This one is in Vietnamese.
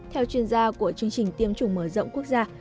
theo chuyên gia của chương trình tiêm chủng mở rộng quốc gia